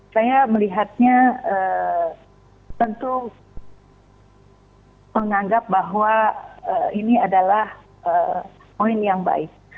saya melihatnya tentu menganggap bahwa ini adalah poin yang baik